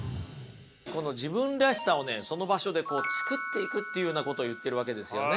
この自分らしさをねその場所で作っていくっていうようなことを言ってるわけですよね。